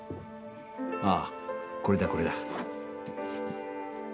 ああこれだこれだ。